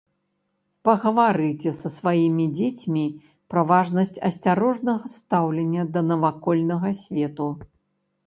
Пагаварыце са сваімі дзецьмі пра важнасць асцярожнага стаўлення да навакольнага свету.